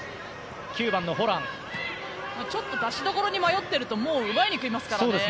ちょっと出しどころに迷っているともう奪いに来ますからね。